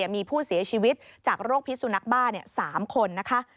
มีผู้เสียชีวิตจากโรคพิษสุนักบ้า๓คนนะคะ